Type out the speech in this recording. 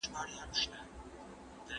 نو پر سر او ملا یې ورکړل ګوزارونه